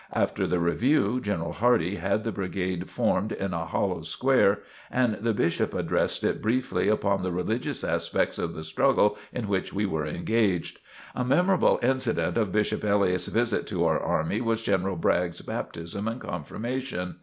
After the review, General Hardee had the brigade formed in a hollow square and the Bishop addressed it briefly upon the religious aspects of the struggle in which we were engaged. A memorable incident of Bishop Elliott's visit to our army was General Bragg's baptism and confirmation.